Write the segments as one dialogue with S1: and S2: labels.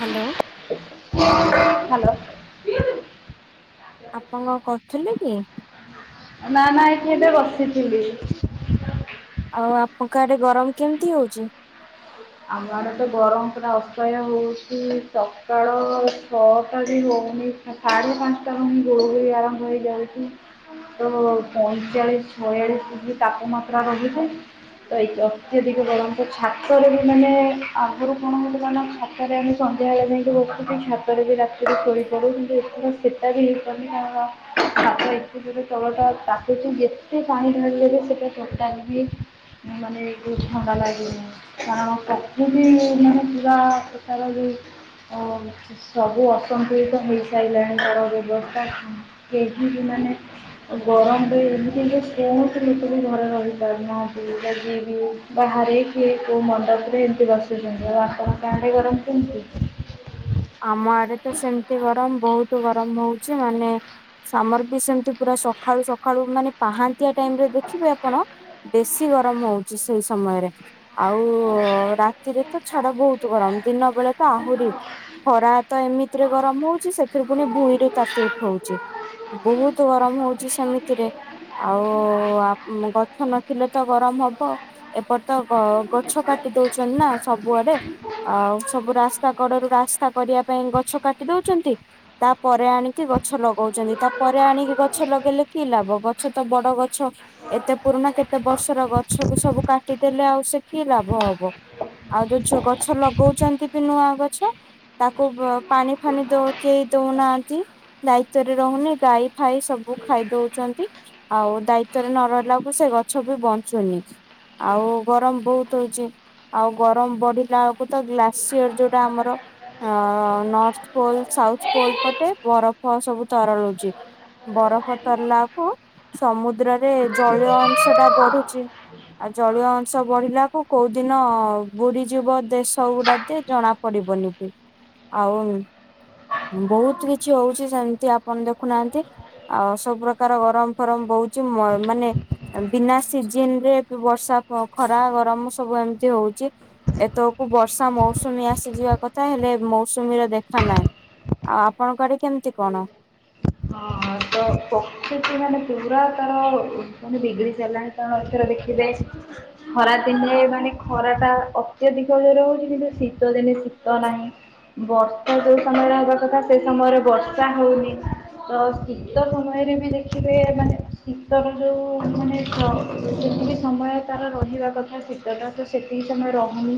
S1: Hello
S2: hello.
S1: ଆପଣ କରିଥିଲେ କି।
S2: ନା ନା ଏଠି ଏବେ ବସିଥିଲି।
S1: ଆଉ ଆପଣଙ୍କ ଆଡେ ଗରମ କେମିତି ହଉଛି।
S2: ଆମ ଆଡେ ତ ଗରମ ପୁରା ଅସହାୟ ହଉଛି ସକାଳ ଛଅଟା ବି ହଉନି ସାଢେ ପାଞ୍ଚଟା ଖଣ୍ଡେ ଗୁଳୁଗୁଳି ଆରମ୍ଭ ହେଇଯାଉଛି ତ ପଇଁଚାଳିଶ ଛୟାଳିଶ ଡିଗ୍ରୀ ତାପମାତ୍ରା ରହୁଛି ତ ଏ ଅତ୍ୟଧିକ ଗରମ ତ ଛାତରେ ବି ମାନେ ଆଗରୁ କଣ ହଉଥିଲା ନା ଛାତରେ ଆମେ ସନ୍ଧ୍ୟାବେଳେ ଯାଇକି ବସୁଛୁ ଛାତରେ ବି ରାତିରେ ଶୋୋଇପଡ଼ୁ କିନ୍ତୁ ଏଥର ସେଇଟା ବି ହେଇପାରୁନି କାରଣ ଛାତଟା ଏତେ ଜୋରେ ତଳଟା ତାତୁଛି ଯେତେ ପାଣି ଢାଳିିଲେ ଯେ ସେଇଟା ଟୋଟାଲ ବି ମାନେ ଯଉ ଥଣ୍ଡା ଲାଗୁନି। କାରଣ କଫୁ ବି ମାନେ ଥିବା ପ୍ରକାର ବି ସବୁ ଅସନ୍ତୁଳିତ ହେଇସାରିଲାଣି ତାର ବ୍ୟବସ୍ଥା କେହି ବି ମାନେ ଗରମରେ ଏମିତି ହେ ବହୁତ ଲୋକ ବି ଘରେ ରହିପାରୁନାହାନ୍ତି ଯ ଯିଏ ବି ବାହାରେ କିଏ [unintelligible] କଉ ମଣ୍ଡପର ଏମିତି ବସଛନ୍ତି ଆଉ ଆପଣ ଆଡ଼େ ଗରମ କେମିତି।
S1: ଆମ ଆଡେ ତ ସେମତି ଗରମ ବହୁତ। ଏତେ ଗରମ ହଉଛି ମାନେ ସାମର ବି ସେମତି ପୁରା ସକାଳୁ ସକାଳୁ ମାନେ ପାହାନ୍ତିଆ ଟାଇମ ରେ ଦେଖିବେ ଆପଣ ବେଶୀ ଗରମ ହଉଚି ସେଇ ସମୟରେ ଆଉ ରାତିରେ ତ ଛାଡା ବହୁତ ଗରମ ଦିନ ବେଳେ ତ ଆହୁରି। ଖରା ତ ଏମିତିରେ ଗରମ ହଉଛି ସେଥିରୁ ପୁଣି ଭୁଇଁରୁ ତାତି ଉଠଉଛି ବହୁତ ଗରମ ହଉଛି ସେମିତିରେ ଆଉ ଗଛ ନଥିଲେ ତ ଗରମ ହବ ଏପଟ ତ ଗଛ କାଟି ଦଉଛନ୍ତି ନା ସବୁଆଡେ ଆଉ ସବୁ ରାସ୍ତା କଡରୁ ରା ରାସ୍ତା କରିବା ପାଇଁ ଗଛ କାଟି ଦଉଛନ୍ତି ତାପରେ ଆଣିକି ଗଛ ଲଗଉଛନ୍ତି ତାପରେ ଆଣିକି ଗଛ ଲଗେଇଲେ କି ଲାଭ ଗଛ ତ ବଡ ଗଛ ଏତେ ପୁରୁଣା କେତେ ବର୍ଷର ଗଛକୁ ସବୁ କାଟିଦେଲେ ଆଉ ସେ କି ଲାଭ ହବ ଆଉ ଯୋଉ ଯଉ ଗଛ ଲଗଉଛନ୍ତି ବି ନୂଆ ଗଛ ତାକୁ ପାଣି ଫାଣିି କେହି ଦଉନାହାନ୍ତି ଦାୟିତ୍ଵରେ ରହୁନି ଗାଈ ଫାଇ ସବୁ ଖାଇ ଦଉଛନ୍ତି ଆଉ ଦାୟିତ୍ବ ରେ ନ ରହିଲା ବଳକୁ ସେ ଗଛ ବି ବଞ୍ଚୁନି ଆଉ ଗରମ ବହୁତ ହେଇଛି ଆଉ ଗରମ ବଢିଲା ବେଳକୁ ତ ଗ୍ଲାସିୟର ଯୋଉଟା ଆମର ଅ ନର୍ଥ ପୋଲ ସାଉଥ ପୋଲ ପଟେ ବରଫ ସବୁ ତରଳୁଛି ବରଫ ତରିଲାକୁ ସମୁଦ୍ରରେ ଜଳୀୟ ଅଂଶ ଟା ବଢୁଛି ଆଉ ଜଳୀୟ ଅଂଶ ବଢିଲାକୁ କୋଉ ଦିନ ବୁଡିଯିବ ଦେଶ ଗୁଡାତେ ଜଣା ପଡିବନି ବି। ଆଉ ବହୁତ କିଛି ହଉଛି ସେମିତି ଆପଣ ଦେଖୁନାହାନ୍ତି ଆଉ ସବୁ ପ୍ରକାର ଗରମ ଫରମ ବହୁଛି ମାନେ ବିନା ସିଜିନ ରେ ବର୍ଷା ଖରା ଗରମ ସବୁ ଏମିତି ହଉଛି ଏତକୁ ବର୍ଷା ମୌସୁମୀ ଆସିଯିବା କଥା ହେଲେ ମୌସୁମୀର ଦେଖା ନାହିଁ ଆଉ ଆପଣଙ୍କ ଆଡେ କେମିତି କଣ।
S2: ହ ତ ପକ୍ଷୁ ଟି ମାନେ ପୁରା ତାର ମାନେ ବିଗିଡି ସାରିଲାଣି କାରଣ ଏଥର ଦେଖିବେ ଖରା ଦିନେ ମାନେ ଖରା ଟା ଅତ୍ୟଧିକ ଜୋରେ ହଉଛି କିନ୍ତୁ ଶୀତ ଦିନେ ଶୀତ ନାହିଁ ବର୍ଷା ଯୋଉ ସମୟରେ ହେବା କଥା ସେ ସମୟରେ ବର୍ଷା ହଉନି। ତ ଶୀତ ସମୟରେ ବି ଦେଖିବେ ମାନେ ଶୀତର ଯେଉଁ ମାନେ ଯେତିକି ସମୟ ତାର ରହିବା କଥା ଶୀତଟା ତ ସେତିକି ସମୟ ରହୁନି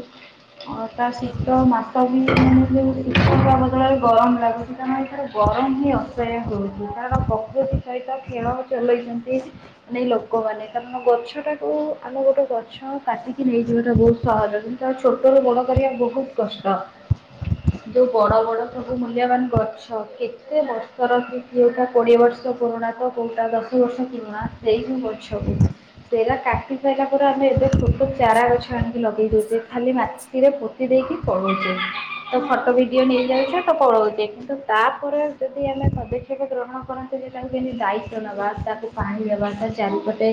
S2: ତା ଶୀତ ମାସ ବି ମାନେ ବି ଶୀତ ବଦଳରେ ଗରମ ଲାଗୁଛି କାରଣ ଏଥିରେ ଗରମ ହି ଅ ହେଉଛି କାରଣ ପ୍ରକୃତି ସହିତ ଖେଳ ଚଲେଇଛନ୍ତି ମାନେ ଲୋକମାନେ କାରଣ ଗଛଟାକୁ ଆମେ ଗୋଟେ ଗଛ କାଟିକି ନେଇଯିବାଟା ବହୁତ ସହଜ କିନ୍ତୁ ତାକୁ ଛୋଟରୁ ବଡ଼ କରିବା ବହୁତ କଷ୍ଟ ଯେଉଁ ବଡ଼ ବଡ଼ ସବୁ ମୂଲ୍ୟବାନ ଗଛ କେତେ ସର ସ୍କୃତି ହେଉଟା କୋଡ଼ିଏ ବର୍ଷ ପୁରୁଣା ତ କେଉଁଟା ଦଶ ବର୍ଷ କିରୁଣା ସେଇ ଯେଉଁ ଗଛକୁ ସେଇଟା କାଟି ସାରିଲା ପରେ ଆମେ ଏବେ [unintelligible] ଚାରା ଗଛ ଆଣିକି ଲଗେଇ ଦେଉଚୁ ଖାଲି ମା ରେ ପୋତି ଦେଇକି ପଳଉଚି ତ ଫଟୋ ଭିଡିଓ ନେଇଯାଉଚି ତ ପଳାଉଚି କିନ୍ତୁ ତାପରେ ସେଇ ଆମେ ପଦକ୍ଷେପ ଗ୍ରହଣ କରନ୍ତେ ଯଦି ତାକୁ କେମିତି ଦାୟିତ୍ୱ ନବା ତାକୁ ପାଣି ଦେବା ତା ଚାରିପଟେ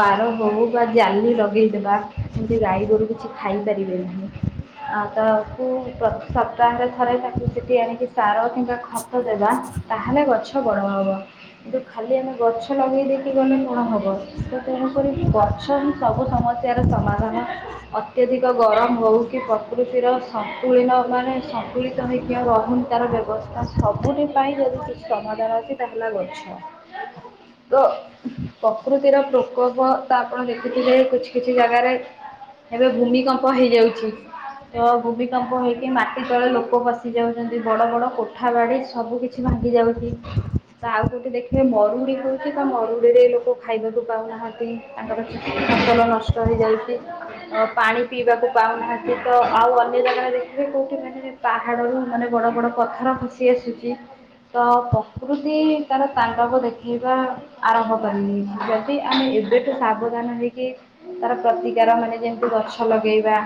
S2: ବାର ହେଉ ବା ଜାଲି ଲଗାଇଦେବା ସେମିତି ଗାଈ ଗୋରୁ କିଛି ଖାଇପାରିବେ ନାହିଁ ଆଉ ତାକୁ ସପ୍ତାହରେ ଥରେ ତାକୁ ସେଠି ଆଣିକି ସାର କିମ୍ବା ଆଉ ଦେବା ତାହେଲେ ଗଛ ଗଛ ବଡ଼ ହବ କିନ୍ତୁ ଖାଲି ଆମେ ଗଛ ଲଗାଇ ଦେଇକି ଗଲେ କଣ ହବ ତ ତେଣୁ କରିକି ଗଛ ହିଁ ସବୁ ସମସ୍ୟାର ସମାଧାନ ଅତ୍ୟଧିକ ଗରମ ହେଉ କି ପ୍ରକୃତିର ସନ୍ତୁଳିନ ମାନେ ସନ୍ତୁଳିତ ହେଇକି ରହୁନି ତାର ବ୍ୟବସ୍ଥା ସବୁଠି ପାଇଁ ଯଦି କିଛି ସମାଧାନ ଅଛି ତାହାହେଲା ଗଛ ତ ପ୍ରକୃତିର ପ୍ରକୋପ ତ ଆପଣ ଦେଖିଥିବେ କିଛି କିଛି ଜାଗାରେ ଏବେ ଭୂମିକମ୍ପ ହେଇଯାଉଛି ତ ଭୂମିକମ୍ପ ହେଇକି ମାଟି ତଳେ ଲୋକ ପସି ଯାଉଛନ୍ତି ବଡ ବଡ କୋ କୋଠା ବାଡ଼ି ସବୁ କିିଛି ଭାଙ୍ଗି ଯାଉଛି ତ ଆଉ କେଉଁଠି ଦେଖିବେ ମରୁଡ଼ି ହଉଛି ତ ମରୁଡ଼ିରେ ଲୋକ ଖାଇବାକୁ ପାଉନାହାନ୍ତି ତାଙ୍କର ଫସଲ ନଷ୍ଟ ହେଇଯାଉଛି ପାଣି ପିଇବାକୁ ପାଉନାହାନ୍ତି ତ ଆଉ ଅନ୍ୟ ଜାଗାରେ ଦେଖିବେ କେଉଁଠି ମାନେ ପାହାଡ଼ରୁ ମାନେ ବଡ଼ ବଡ଼ ପଥର ଖସି ଆସୁଛି ତ ପ୍ରକୃତି ତାର ତାଣ୍ଡବ ଦେଖେଇବା ଆରମ୍ଭ କରିନି ଯଦି ଆମେ ଏବେଠୁ ସାବଧାନ ହେଇକି ତାର ପ୍ରତିକାର ମାନେ ଯେମିତି ଗଛ ଲଗେଇବା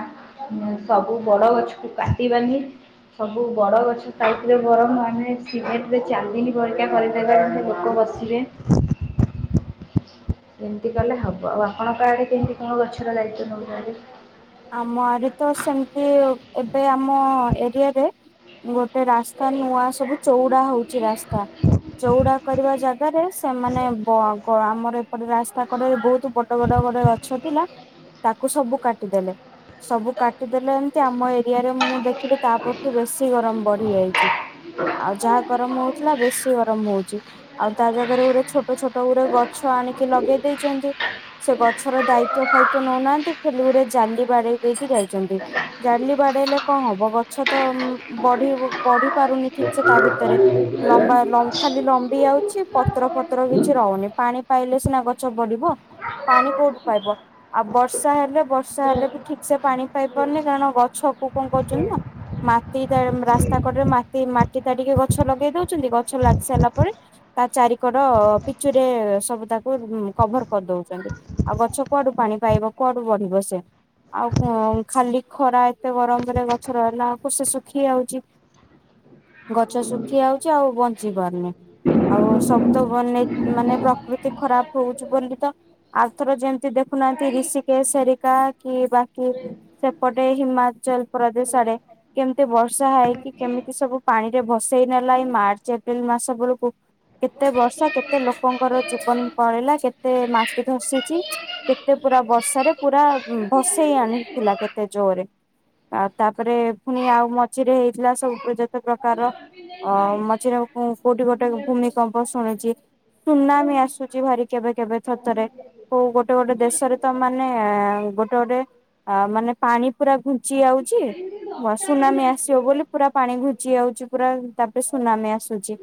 S2: ସବୁ ବଡ ଗଛକୁ କାଟିବାନି ସବୁ ବଡ ଗଛ ଗରମ ମାନେ ସିଗରେଟ ଚାନ୍ଦିନୀ ପରିକା କରିଦେବା ଲୋକ ବସିବେ। ଏମିତି କଲେ ହବ ଆଉ ଆପଣଙ୍କ ଆଡେ କେମିତି କଣ ଗଛର ଦାୟିତ ନେଉଛନ୍ତି।
S1: ଆମ ଆଡେ ତ ସେମିତି ଏବେ ଆମ ଏରିଆରେ ଗୋ ଗୋଟେ ରାସ୍ତା ନୂଆ ସବୁ ଚଉଡା ହଉଛି ରାସ୍ତା ଚଉଡା କରିବା ଜାଗାରେ ସେମାନେ ଆମର ଏପଟ ରାସ୍ତା କଡରେ ବହୁତ ବଡ ବଡ କଡରେ ଗଛ ଥିଲା ତାକୁ ସବୁ କାଟି ଦେଲେ। ସବୁ କାଟିଦେଲେ ଏମିତି ଆମ ଏ ଏରିଆରେ ମୁଁ ଦେଖିଲି ତାପରଠୁ ବେଶୀ ଗରମ ବଢି ଯାଇଛି ଆଉ ଯାହା ଗରମ ହଉଥିଲା ବେଶି ଗରମ ହଉଛି ଆଉ ତା ଜାଗାରେ ଗୋଟେ ଛୋଟ ଛୋଟ ଗୋଟେ ଗଛ ଆଣିକି ଲଗେଇ ଦେଇଛନ୍ତି ସେ ଗଛର ଦାୟିତ୍ୱ ଫାଇତ୍ବ ନଉନାହାନ୍ତି। ଫୁଲୁ ଗୁରେ ଜାଲି ବାଡେ ଦେଇଖି ଯାଇଛି। ଜାଡଲି ବାଡେଇଲେ କଣ ହବ ବ ଗଛ ତ ବଢ ବଢି ନି ଠିକ ସେ ତା ଭିତରେ
S2: ପାଣି ହେଇକି ହେଲା।
S1: ଲମ୍ବା ଖାଲି ଲମ୍ବି ଯାଉଛି ପତ୍ର ଫତ୍ର କିଛି ରହୁନି ପାଣି ପାଇଲେ ସିନା ଗଛ ବିବ ପାଣି କୋଉଠୁ ପାଇବ ଆଉ ବର୍ଷା ହେଲେ ବର୍ଷା ହେଲେ ବି ଠିକ ସେ ପାଣି ପାଇ ପାରୁନି କାରଣ ଗଛକୁ କଣ କରୁଛନ୍ତି ନା ମାଟି ରାସ୍ତା କଡରେ ମା ମାଟି ଟିକେ ଗଛ ଲଗେଇ ଦଉଛନ୍ତି ଗଛ ଲାଗି ସାରିଲା ପରେ ତା ଚାରିିକଡ ପିଚୁ ରେ ସବୁ ତାକୁ କଭର କରିଦଉଛନ୍ତି ଆଉ ଗଛ କୁଆଡୁ ପାଣି ପାଇବ କୁଆଡୁ ବଢିବ ସେ ଆଉ ଖାଲି ଖରା ଏତେ ଗରମରେ ଗଛ ରହିଲା ବଳକୁ ସେ ଶୁଖି ଯାଉଛି ଗଛ ଶୁଖି ଯାଉଛି ଆଉ ବଞ୍ଚି ପାରୁନି ଆଉ ସବୁ ତ ମେ ମାନେ ପ୍ରକୃତି ଖରାପ ହଉଛି ବୋଲି ତ ଆଉଥର ଯେମତି ଦେଖୁନାହାନ୍ତି ଋଷିକେ ସେରିକା। କି ବାକି ସେପଟେ ହିମାଚଳ ପ୍ରଦେଶ ଆଡେ କେମିତି ବର୍ଷା ହେଇକି କେମିତି ସବୁ ପାଣି ରେ ଭସେଇ ନେଲା ଏଇ ମାର୍ଚ୍ଚ ଏପ୍ରିଲ ମାସ ବେଳକୁ କେତେ ବର୍ଷା କେତେ ଲୋକଙ୍କର ଜୀବନ ପଳିଲା କେତେ ମାଟି ଧସିଛି କେତେ ପୁରା ବର୍ଷାରେ ପୁରା ଭସେଇ ଆଣିଥିଲା କେତେ ଜୋରରେ ଆଉ ତାପରେ ପୁଣି ଆଉ ମଝିରେ ହେଇଥିଲା ସବୁ ଯେତେ ପ୍ରକାର ଅ ମଝିରେ କୋଉଠି ଗୋଟେ ଭୂମିକମ୍ପ ଶୁଣିଛି ସୁନାମ ଆସୁଛି ଭାରି କେବେ କେବେ ଥଥରେ କୋଉ ଗୋଟେ ଗୋଟେ ଦେଶରେ ତ ମାନେ ଗୋଟେ ଗୋଟେ ମାନେ ପାଣି ପୁରା ଘୁଞ୍ଚି ଯାଉଛି ସୁନାମି ଆସିବ ବୋଲି ପୁରା ପାଣି ଘୁଞ୍ଚି ଯାଉଛି ପୁରା ତାପରେ ସୁନାମି ଆସୁଛି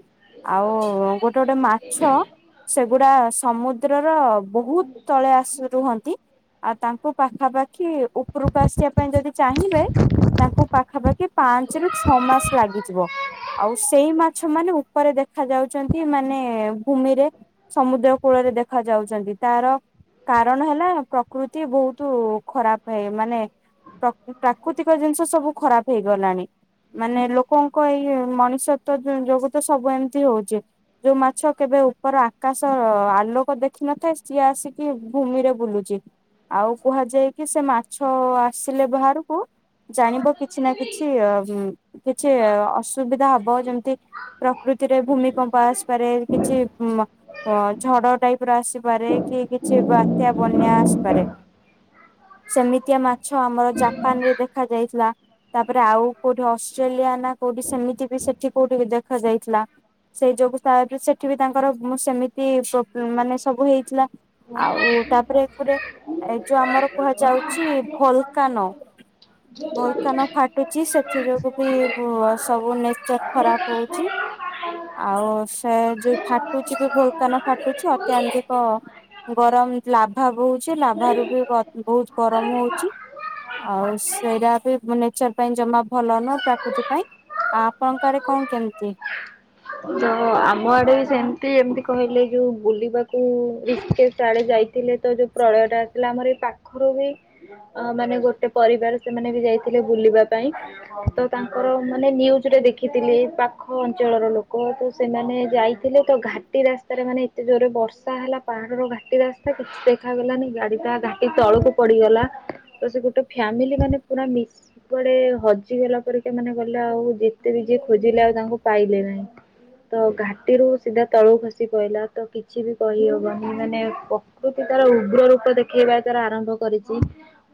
S1: ଆଉ ଗୋଟେ ଗୋଟେ ମାଛ ସେଗୁଡା ସମୁଦ୍ରର ବହୁତ ତଳେ ଆସି ରୁହନ୍ତି ଆଉ ତାଙ୍କ ପାଖାପାଖି ଉପରକୁ ଆସିବା ପାଇଁ ଯଦି ଚାହିଁବେ ତାଙ୍କୁ ପାଖାପାଖି ପାଞ୍ଚ ରୁ ଛଅ ମାସ ଲାଗିଯିବ ଆଉ ସେଇ ମାଛ ମାନେ ଉପରେ ଦେଖ ଯାଉଛନ୍ତି ମାନେ ଭୂମିରେ ସମୁଦ୍ର କୂଳରେ ଦେଖ ଯାଉଛନ୍ତି ତାର କାରଣ ହେଲା ପ୍ରକୃତି ବହୁତ ଖରାପ ହେଇ ମାନେ ପ୍ରାକୃତିକ ଜିନିଷ ସବୁ ଖରାପ ହେଇଗଲାଣି ମାନେ ଲୋକଙ୍କ ଏଇ ମଣିଷତ ଯୋଗୁ ତ ସବୁ ଏମିତି ହଉଛି ଯୋଉ ମାଛ କେବେ ଉପର ଆକାଶ ଆଲୋକ ପୋକ ଦେଖିନଥାଏ ସିଏ ଆସିକି ଭୂମିରେ ବୁଲୁଛି ଆଉ କୁହାଯାଏ କି ସେ ମାଛ ଆସିଲେ ବାହାରକୁ ଜାଣିବ କିଛି ନା କିଛି କିଛି ଅସୁବିଧା ହବ ଯେମିତି ପ୍ରକୃତିରେ ଭୂମିକମ୍ପ ଆସିପାରେ କିଛି ଝଡ ଟାଇପ ର ଆସିପାରେ କି କିଛି ବାତ୍ୟା ବନ୍ୟା ଆସିପାରେ। ସେମିତିଆ ମାଛ ଆମର ଜାପାନ ରେ ଦେଖା ଯାଇଥିଲା ତାପରେ ଆଉ କଉଠି ଅଷ୍ଟ୍ରେଲିଆ ନା କୋଉଠି ସେମିତି ବି ସେଠି କୋଉଠି ବି ଦେଖ ଯାଇଥିଲା ସେଇ ଯୋଗୁ ସେଠି ବି ତାଙ୍କର ମୁଁ ସେମିତି ମାନେ ସବୁ ହେଇଥିଲା ଆଉ ତାପରେ କଟା ଏଇ ଯୋଉ ଆମର କୁହାଯାଉଛି ଭୋଲକାନ ଭୋଲକାନ ଫାଟୁଛି ସେଥି ଯୋଗୁ ବି ସବୁ ନେଚର ଖରାପ ହଉଛି ଆଉ ସେ ଯୋଉ ଫାଟୁଛି ବି ଭୋଲକାନ ଫାଟୁଛି ଅତ୍ୟଧିକ ଗରମ ଲାଭା ବହୁଛି ଲାଭ ବାରୁ ବି ବହୁତ ଗରମ ହଉଛି। ଆଉ ସେଇଟା ବି ନେଚର ପାଇଁ ଜମା ଭଲ ନୁହ ପ୍ରାକୃତି ପାଇଁ ଆ ଆପଣଙ୍କରେ କଣ କେମିତି?
S2: ତ ଆମ ଆଡେ ବି ସେମିତି ଏମିତି କହିଲେ ଯୋଉ ବୁଲିବାକୁେ ଆଡେ ଯାଇଥିଲେ ତ ଯୋଉ ପ୍ରଳୟ ଟା ଆଥିଲା ଆମର ଏ ପାଖରୁ ବି ମାନେ ଗୋଟେ ପରିବାର ସେମାନେ ବି ଯାଇଥିଲେ ବୁଲିବା ପାଇଁ ତ ତାଙ୍କର ମାନେ ନିନ୍ୟୁଜରେ ଦେଖିଥିଲେ ପାଖ ଅଞ୍ଚଳର ଲୋକ କହ ତୁ ସେମାନେ ଯାଇଥିଲେ ତ ଘାଟି ରାସ୍ତାରେ ମାନେ ଏତେ ଜୋରରେ ବର୍ଷା ହେଲା ପାହାଡର ଘାଟି ରାସ୍ତା କିଛି ଦେଖାଗଲାନି ଗାଡିଟା ଘାଟି ତଳକୁ ପଡିଗଲା, ତ ସେ ଗୋଟେ ଫ୍ୟାମିଲି ମାନେ ପୁରାଆଡେ ହଜିଗଲା ପରେିକା ମାନେ ଗଲେ ଆଉ ଯେତେ ବି ଯିଏ ଖୋଜିଲେ ଆଉ ତାଙ୍କୁ ପାଇଲେ ନାହିଁ। ତ ଘାଟିରୁ ସିଧା ତଳୁ ଖସି ପହିଲା ତ କିଛି ବି କହିହବନି ମାନେ ପ୍ରକୃତି ତାର ଉଗ୍ର ରୂପ ଦେଖେଇବା ତାର ଆରମ୍ଭ କରିଛି,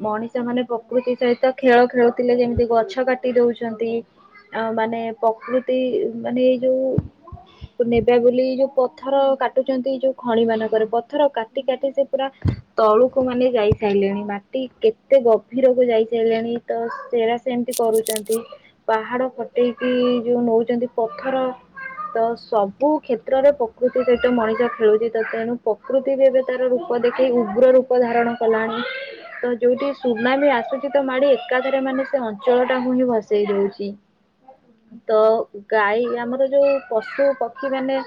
S2: ମଣିଷ ମାନେ ପ୍ରକୃତି ସହିତ ଖେଳ ଖେଳୁଥିଲେ ଯେମିତି ଗଛ କାଟି ଦଉଛନ୍ତି ଆ ମାନେ ପ୍ରକୃତି ମାନେ ଯୋଉ ନେବା ବୋଲି ଯୋଉ ପଥର କାଟୁଛନ୍ତି, ଯୋଉ ଖଣି ମାନଙ୍କରେ ପଥର କାଟି କାଟି ସେ ପୁରା ତଳୁକୁ ମାନେ ଯାଇସାରିଲେଣି ମାଟି କେତେ ଗଭୀରକୁ ଯାଇ ସାରିଲେଣି ତ ସେରା ସେମିତି କରୁଛନ୍ତି ପାହାଡ ଫଟେଇକି ଯୋଉ ନଉଛନ୍ତି ପଥର ତ ସବୁ କ୍ଷେତ୍ରରେ ପ୍ରକୃତି ସହିତ ମଣିଷ ଖେଳୁଛି, ତ ତେଣୁ ପ୍ରକୃତି ବି ଏବେ ତାର ରୂପ ଦେଖେଇ ଉଗ୍ର ରୂପ ଧାରଣ କଲାଣି ତ ଯୋଉଠି ସୁନାମି ଆସୁଛି ତ ମାଡି ଏକାଥରେ ମାନେ ସେ ଅଞ୍ଚଳ ଟାକୁ ହିଁ ଭସେଇ ଦଉଛି [inaudible] ତ ଗାଈ ଆମର ଯୋଉ ପଶୁ ପକ୍ଷୀ ମାନେ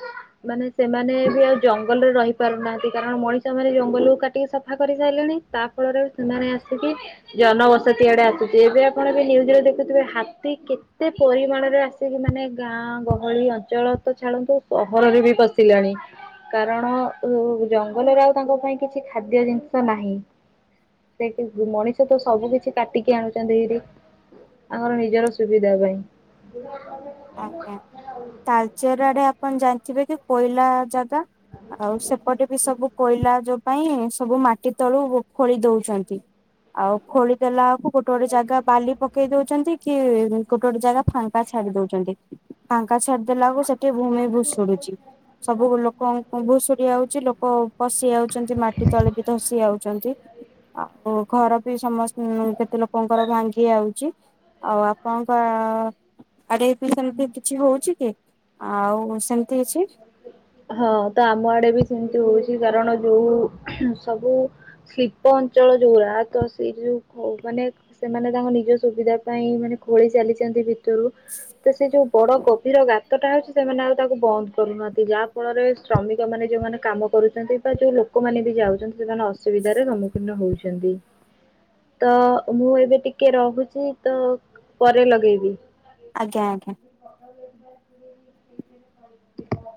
S2: ମାନେ ସେମାନେ ବି ଆଉ ଜଙ୍ଗଲରେ ରହି ପାରୁନାହାନ୍ତି, କାରଣ ମଣିଷ ମାନେ ଜଙ୍ଗଲକୁୁ କାଟିକି ସଫା କରିସାରିଲେଣି ତା ଫଳରେ ସେମାନେ ଆସିକି ଜନବସତି ଆଡେ ଆସୁଛି ଏବେ ଆପଣ ବି ନିୟୁଜରେ ଦେଖୁଥିବେ ହାତୀ କେତେ ପରିମାଣରେ ଆସିକି ମାନେ ଗାଁ ଗହ ଭଳି ଅଞ୍ଚଳ ତ ଛାଡନ୍ତୁ ସହରରେ ବି ପଶିଲାଣି କାରଣ ଜଙ୍ଗଲରେ ଆଉ ତାଙ୍କ ପାଇଁ କିଛି ଖାଦ୍ୟ ଜିନିଷ ନାହିଁ, ସେ ମଣିଷ ତ ସବୁ କିଛି କାଟିକି ଆଣୁଛନ୍ତି ତାଙ୍କର ନିଜର ସୁବିଧା ପାଇଁ।
S1: ଆଜ୍ଞା। ତାଲଚେର ଆଡେ ଆପଣ ଜା ଯିବ କି କୋଇଲା ଜାଗା। ଆଉ ସେପଟେ ବି ସବୁ କୋଇଲା ଯୋଉ ପାଇଁ ସବୁ ମାଟି ତଳୁ ଖୋଳି ଦଉଛନ୍ତି, ଆଉ ଖୋଳି ଦେଲା ଗୋଟେ ଗୋଟେ ଜାଗା ବାଲି ପକେଇ ଦଉଛନ୍ତି। କି ଗୋଟେ ଗୋଟେ ଜାଗା ଫାଙ୍କା ଛାଡି ଦଉଛି। [unintelligible] ଆକାଶ ଛାଡିଦେଲାକୁ ସେଠି ଭୂମି ଭୁ ଶୁଡୁଛି, ସବୁ ଲୋକ ଭୁଷୁଡି ଯାଉଛି ଲୋକ ପଶି ଯାଉଛନ୍ତି, ମାଟି ତଳେ ବି ଧସି ଯାଉଛନ୍ତି, ଆଉ ଘର ବି ସମସ୍ତ ଲୋକଙ୍କର ଭାଙ୍ଗି ଯାଉଛି। ଆଉ ଆପଣଙ୍କ ଆରେ ସେମିତି କିଛି ହଉଛି କି? ଆଉ ସେମିତି ଅଛି।
S2: ହଁ ତ ଆମ ଆଡେ ବି ସେମିତି ହଉଛି, କାରଣ ଯୋଉ ସବୁ ଶିଳ୍ପ ଅଞ୍ଚଳ ଯୋଉରା ତ ସେ ଯୋଉ ମାନେ ସେମାନେ ତାଙ୍କ ନିଜ ସୁବିଧା ପାଇଁ ମାନେ ଖୋଳି ଚାଲିଛନ୍ତି ଭ ଯଉ ସେ ଯୋଉ ବଡ କୋଭିର ଗାତଟା ହଉଛି, ସେମାନେ ଆଡ ତାକୁ ବନ୍ଦ କରୁନାହାନ୍ତି, ଯାହା ଫଳରେ ଶ୍ରମିକ ମାନେ ଯୋଉମାନେ କାମ କରୁଛନ୍ତି ବା ଯୋଉ ଲୋକମାନୋନ ବି ଯାଉଛନ୍ତି ସେମାନେ ଅସୁବିଧାରେ ସମ୍ମୁଖୀନ ହଉଛନ୍ତି [inaudible] ତ ମୁଁ ଏବେ ଟିକେ ରହୁଛି ତ ପରେ ଲଗେଇବି।
S1: ଆଜ୍ଞା ଆଜ୍ଞା।
S2: [unintelligible] [unintelligible] [unintelligible]